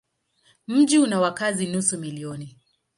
Mji una wakazi nusu milioni.